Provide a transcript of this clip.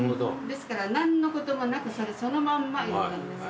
ですから何のこともなくそれそのまんまやったんです。